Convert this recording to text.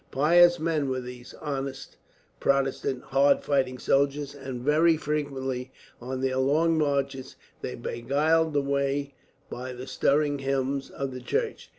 Pious men were these honest, Protestant, hard fighting soldiers; and very frequently, on their long marches, they beguiled the way by the stirring hymns of the church.